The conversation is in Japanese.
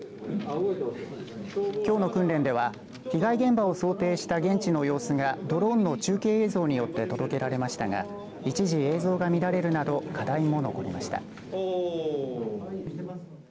きょうの訓練では、被害現場を想定した現地の様子がドローンの中継映像によって届けられましたが一時、映像が乱れるなど課題も残りました。